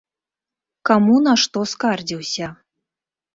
Каму на што скардзіўся?